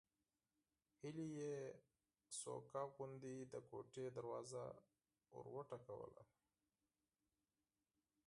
هيلې يې ورو غوندې د کوټې دروازه وروټکوله